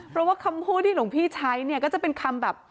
เพราะว่าคำพูดที่หลวงพี่ใช้เนี่ยก็จะเป็นคำแบบ